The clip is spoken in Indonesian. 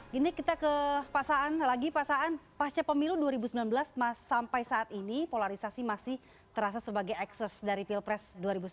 gini kita ke pasangan lagi pak saan pasca pemilu dua ribu sembilan belas sampai saat ini polarisasi masih terasa sebagai ekses dari pilpres dua ribu sembilan belas